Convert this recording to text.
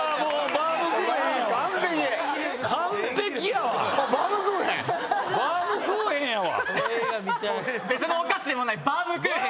バウムクーヘンやわ。